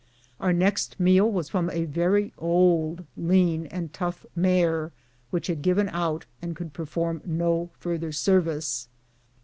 Our next meal was from a very old, lean, and tough mare which had given out and could perform no farther service.